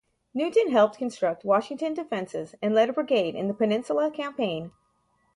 Newton helped construct Washington defenses and led a brigade in the Peninsula Campaign.